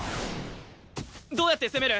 どうやって攻める？